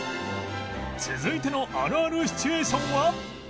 続いてのあるあるシチュエーションは？